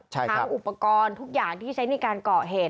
อุปกรณ์ทุกอย่างที่ใช้ในการก่อเหตุ